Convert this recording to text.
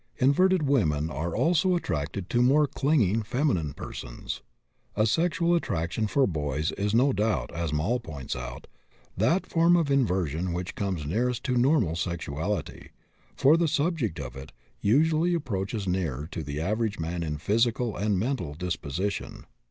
Inverted women also are attracted to more clinging feminine persons. A sexual attraction for boys is, no doubt, as Moll points out, that form of inversion which comes nearest to normal sexuality, for the subject of it usually approaches nearer to the average man in physical and mental disposition.